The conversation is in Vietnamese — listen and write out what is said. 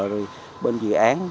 rồi bên dự án